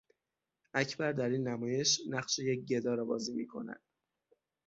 اکبر در این نمایش نقش یک گدا را بازی میکند.